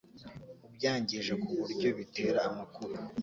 ubyangije ku buryo bitera amakuba